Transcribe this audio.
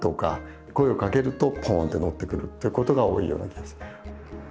声をかけるとポンって乗ってくるってことが多いような気がします。